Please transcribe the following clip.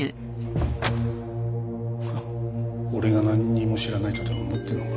フッ俺がなんにも知らないとでも思ってるのか。